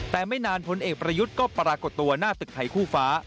แต่ไม่นานผลเอกประยุทธ์ก็ปรากฏตัวหน้าตึกไทยคู่ฟ้า